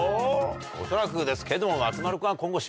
恐らくですけども松丸君は。